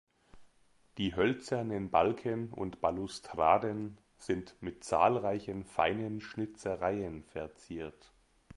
Die hölzernen Balken und Balustraden sind mit zahlreichen feinen Schnitzereien verziert.